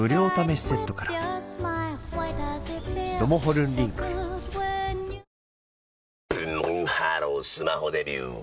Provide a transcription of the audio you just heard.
ブンブンハロースマホデビュー！